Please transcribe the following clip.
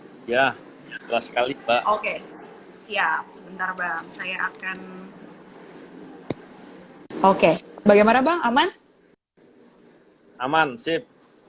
jelas sekali oke siap sebentar bang saya akan oke bagaimana bang aman aman sip